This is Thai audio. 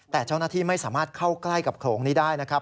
แต่เจ้าหน้าที่ไม่สามารถเข้าใกล้กับโลงนี้ได้นะครับ